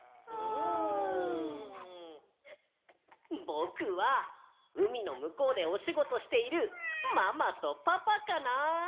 ぼくはうみのむこうでおしごとしているママとパパかな。